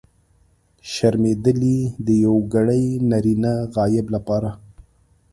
شرمېدلی! د یوګړي نرينه غایب لپاره.